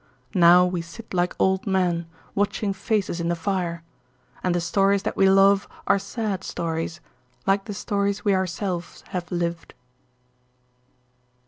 Now we sit like old men, watching faces in the fire; and the stories that we love are sad stories—like the stories we ourselves have lived.